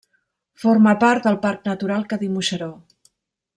Forma part del parc natural Cadí-Moixeró.